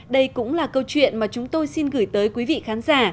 đây cũng là câu chuyện mà chúng tôi xin gửi tới quý vị khán giả